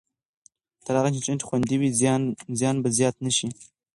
تر هغه چې انټرنېټ خوندي وي، زیان به زیات نه شي.